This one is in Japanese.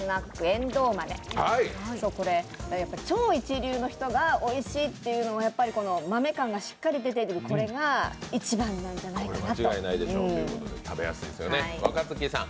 超一流の人がおいしいというのは、豆感がしっかり出てるこれが一番なんじゃないかなと。